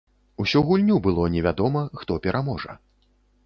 Усю гульню было невядома, хто пераможа.